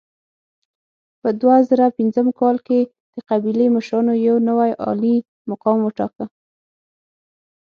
په دوه زره پنځم کال کې د قبیلې مشرانو یو نوی عالي مقام وټاکه.